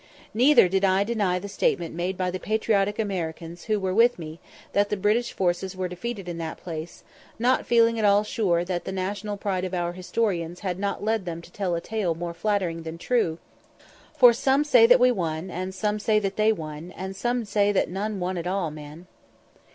Neither did I deny the statement made by the patriotic Americans who were with me, that the British forces were defeated in that place, not feeling at all sure that the national pride of our historians had not led them to tell a tale more flattering than true; for "Some say that we won, And some say that they won, And some say that none won at a', man."